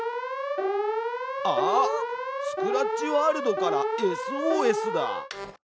あっスクラッチワールドからＳＯＳだ！